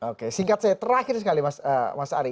oke singkat saya terakhir sekali mas ari